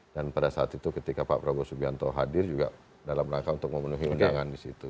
dan pada saat itu ketika pak prabowo subianto hadir juga dalam langkah untuk memenuhi undangan di situ